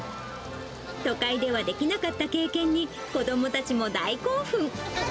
都会ではできなかった経験に、子どもたちも大興奮。